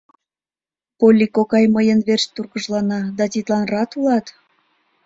Полли кокай мыйын верч тургыжлана да тидлан рат улат?